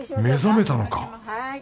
目覚めたのか！